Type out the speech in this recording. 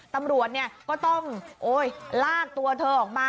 ตำรวจก็ต้องลากตัวเธอออกมา